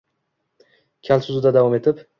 Kal so‘zida davom etib